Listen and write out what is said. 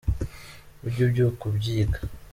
Ujye ubyuka ubyiga